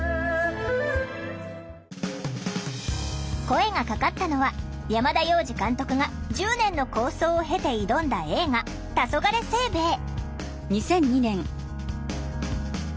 声がかかったのは山田洋次監督が１０年の構想を経て挑んだ映画「たそがれ清兵衛」。